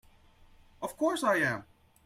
Of course I am!